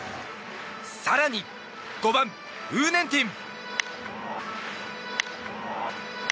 更に５番、ウー・ネンティン。